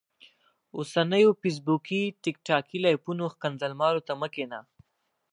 اوسنيو فيسبوکي ټیک ټاکي لايفونو ښکنځل مارو ته مه کينه